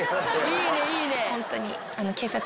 いいねいいね。